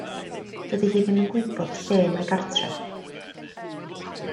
Dydi hi ddim yn gwybod lle mae gartre.